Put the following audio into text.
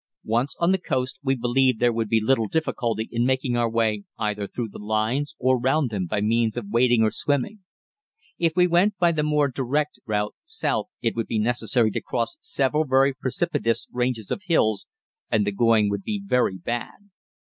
Once on the coast we believed there would be little difficulty in making our way either through the lines or round them by means of wading or swimming. If we went by the more direct route south it would be necessary to cross several very precipitous ranges of hills, and the going would be very bad.